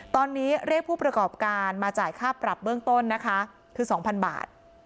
ตอนนี้เรียกผู้ประกอบการมาจ่ายค่าปรับเบื้องต้นนะคะคือ๒๐๐บาท